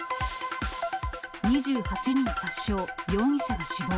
２８人殺傷、容疑者死亡。